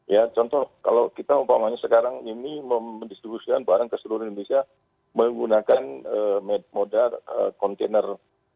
ya contoh kalau kita umpamanya sekarang ini mendistribusikan barang ke seluruh indonesia menggunakan modal kontainer